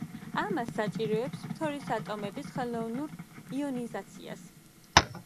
ამას საჭიროებს ფთორის ატომების ხელოვნურ იონიზაციას.